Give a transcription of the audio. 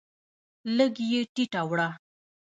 لږ یې ټیټه وړه